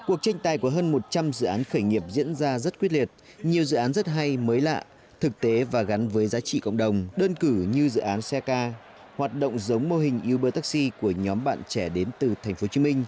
cuộc tranh tài của hơn một trăm linh dự án khởi nghiệp diễn ra rất quyết liệt nhiều dự án rất hay mới lạ thực tế và gắn với giá trị cộng đồng đơn cử như dự án seka hoạt động giống mô hình uber taxi của nhóm bạn trẻ đến từ tp hcm